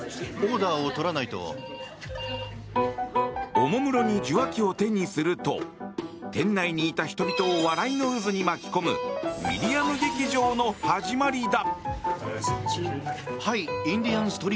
おもむろに受話器を手にすると店内にいた人々を笑いの渦に巻き込むウィリアム劇場の始まりだ。